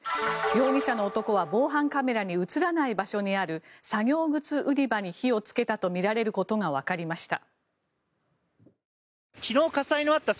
容疑者の男は防犯カメラに映らない場所にある作業靴売り場に火をつけたとみられることがわかりました。